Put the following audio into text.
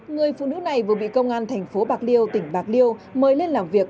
người phụ nữ này vừa bị công an thành phố bạc liêu tỉnh bạc liêu mời lên làm việc